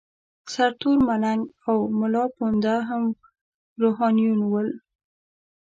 سرتور ملنګ او ملاپوونده هم روحانیون ول.